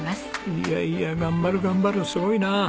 いやいや頑張る頑張るすごいな。